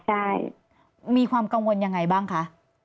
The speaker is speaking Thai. ใช่มีความกังวลยังไงบ้างคะ